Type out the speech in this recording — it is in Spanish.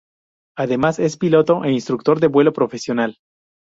Además, es piloto e instructor de vuelo profesional.